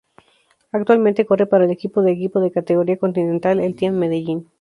Actualmente corre para el equipo de equipo de categoría Continental el Team Medellín.